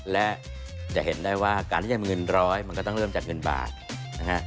และจะเห็นได้ว่าการที่จะมีเงินร้อยมันก็ต้องเริ่มจากเงินบาทนะฮะ